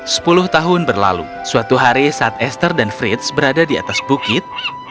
sepuluh tahun berlalu suatu hari saat esther dan frits berada di atas bukit